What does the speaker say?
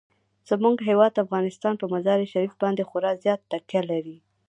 زموږ هیواد افغانستان په مزارشریف باندې خورا زیاته تکیه لري.